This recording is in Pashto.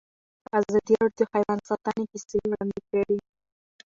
ازادي راډیو د حیوان ساتنه کیسې وړاندې کړي.